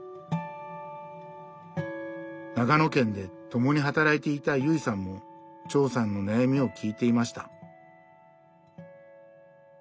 長野県で共に働いていた由井さんも長さんの悩みを聞いていました。